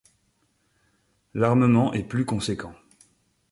L'armement est plus conséquent.